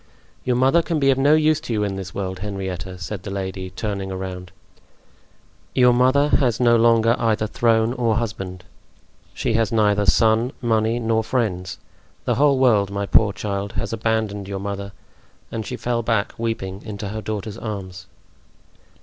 "Your mother can be of no use to you in this world, Henrietta," said the lady, turning around. "Your mother has no longer either throne or husband; she has neither son, money nor friends; the whole world, my poor child, has abandoned your mother!" And she fell back, weeping, into her daughter's arms.